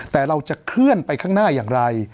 แต่เราจะเคลื่อนไปข้างหน้าอย่างไร